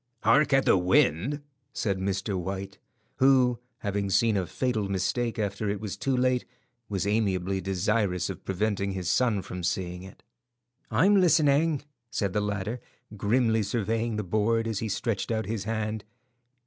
"Hark at the wind," said Mr. White, who, having seen a fatal mistake after it was too late, was amiably desirous of preventing his son from seeing it. "I'm listening," said the latter, grimly surveying the board as he stretched out his hand.